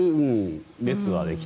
列はできてる。